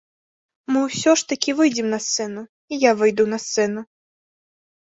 Мы усё ж такі выйдзем на сцэну, і я выйду на сцэну.